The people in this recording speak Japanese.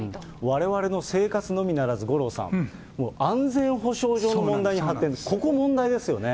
われわれの生活のみならず、五郎さん、もう安全保障上の問題に発展、ここ問題ですよね。